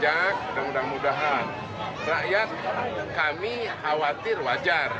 saya mengajak dan mudah mudahan rakyat kami khawatir wajar